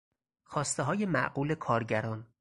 خواستههای معقول کارگران